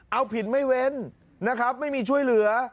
เอาผิดไม่เว้นไม่มีช่วยเหลือ